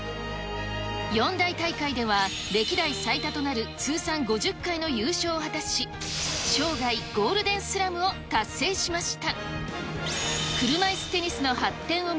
四大大会では歴代最多となる通算５０回の優勝を果たし、生涯ゴールデンスラムを達成しました。